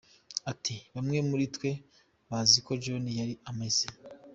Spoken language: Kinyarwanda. Ati “Bamwe muri twe bazi uko John yari ameze.